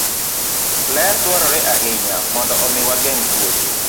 Ler dwarore ahinya mondo omi wageng' tuoche.